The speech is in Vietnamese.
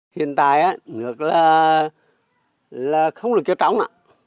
hiện tại nước là không được cho trống